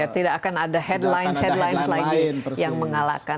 tidak akan ada headlines headlines lagi yang mengalahkan